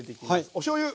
おしょうゆ。